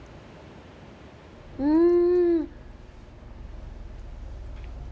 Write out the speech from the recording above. うん。